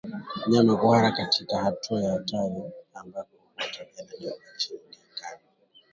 Mnyama kuhara katika hatua ya hatari ambako huambatana na damu ni dalili ya ndigana